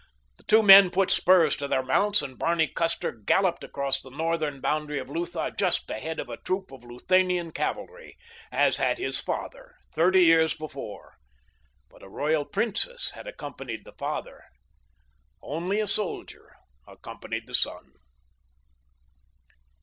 The two men put spurs to their mounts, and Barney Custer galloped across the northern boundary of Lutha just ahead of a troop of Luthanian cavalry, as had his father thirty years before; but a royal princess had accompanied the father—only a soldier accompanied the son.